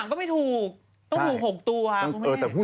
อ้าวซึ่ง๕๓ก็ไม่ถูกต้องถูก๖ตัวคุณแม่ใช่ไหม